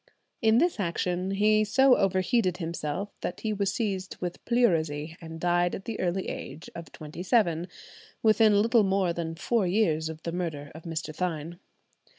In this action he so overheated himself that he was seized with pleurisy, and died at the early age of twenty seven, within little more than four years of the murder of Mr. Thynne.